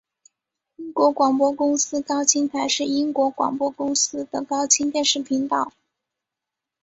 英国广播公司高清台是英国广播公司的高清电视频道。